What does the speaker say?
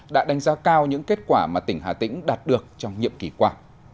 đã đánh giá cao những kết quả mà tỉnh hà tĩnh đạt được trong nhiệm kỳ qua